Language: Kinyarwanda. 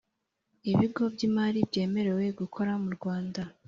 Ibigo by imari byemerewe gukora mu rwanda